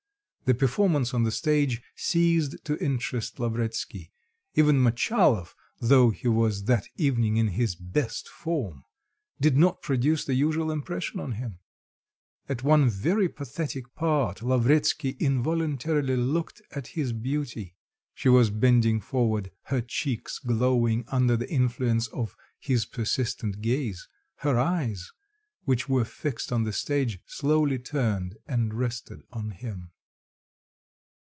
The performance on the stage ceased to interest Lavretsky, even Motchalov, though he was that evening in his "best form," did not produce the usual impression on him. At one very pathetic part, Lavretsky involuntarily looked at his beauty: she was bending forward, her cheeks glowing under the influence of his persistent gaze, her eyes, which were fixed on the stage, slowly turned and rested on him.